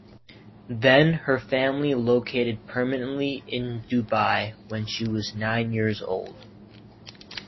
Then her family located permanently in Dubai when she was nine years old.